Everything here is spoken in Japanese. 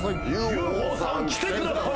ＵＦＯさん、来てください。